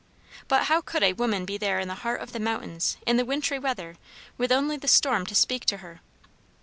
But how could a woman be there in the heart of the mountains in the wintry weather, with only the storm to speak to her?